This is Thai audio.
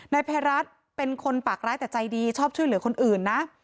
นายภัยรัฐเป็นคนปากร้ายแต่ใจดีชอบช่วยเหลือคนอื่นนะ